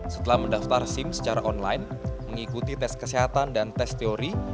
setelah mendaftar sim secara online mengikuti tes kesehatan dan tes teori